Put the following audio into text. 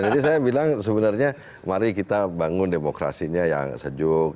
jadi saya bilang sebenarnya mari kita bangun demokrasinya yang sejuk